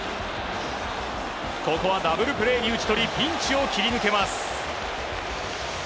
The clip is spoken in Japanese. ここはダブルプレーに打ち取りピンチを切り抜けます。